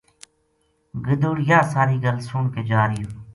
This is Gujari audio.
گدڑ یاہ ساری گل سن کے جا رہیو